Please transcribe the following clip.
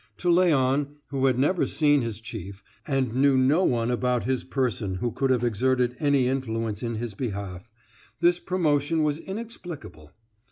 To Léon, who had never seen his chief, and knew no one about his person who could have exerted any influence in his behalf, this promotion was inexplicable.